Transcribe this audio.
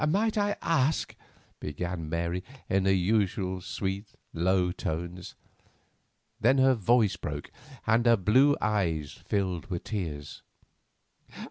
"Might I ask?" began Mary in her usual sweet, low tones. Then her voice broke, and her blue eyes filled with tears.